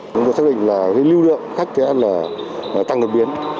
chúng tôi xác định là lưu lượng khách sẽ tăng lực biến